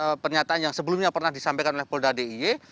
namun dalam pernyataan yang sebelumnya pernah disampaikan oleh polda diy